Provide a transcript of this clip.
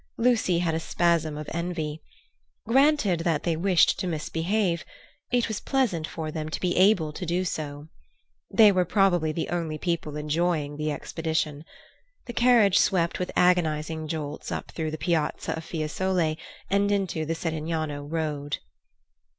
Lucy had a spasm of envy. Granted that they wished to misbehave, it was pleasant for them to be able to do so. They were probably the only people enjoying the expedition. The carriage swept with agonizing jolts up through the Piazza of Fiesole and into the Settignano road.